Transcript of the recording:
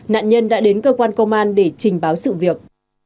nạn nhân đã đến cơ quan công an để trình báo sự việc